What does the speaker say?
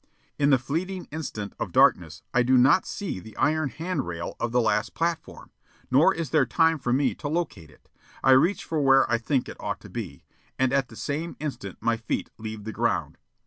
In the fleeting instant of darkness I do not see the iron hand rail of the last platform; nor is there time for me to locate it. I reach for where I think it ought to be, and at the same instant my feet leave the ground.